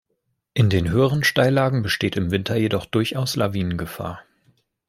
In den höheren Steillagen besteht im Winter jedoch durchaus Lawinengefahr.